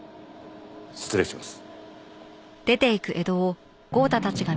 失礼します。